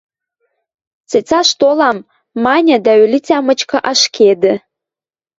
– Цецаш толам, – маньы дӓ ӧлицӓ мычкы ашкедӹ.